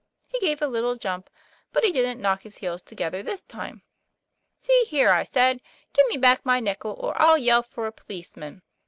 He gave a little jump, but he didn't knock his heels together this time. * See here, ' I said, 'give me back my nickel or I'll yell for a policeman.